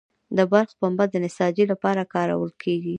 د بلخ پنبه د نساجي لپاره کارول کیږي